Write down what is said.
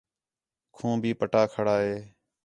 کھوں بھی پٹا کھڑا ہے